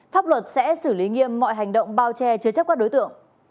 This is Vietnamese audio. pháp luật sẽ xử lý nghiêm mọi hành động bao che chứa chấp các đối tượng